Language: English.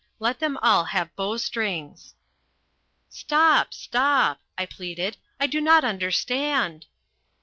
Let them all have bowstrings." "Stop, stop," I pleaded. "I don't understand."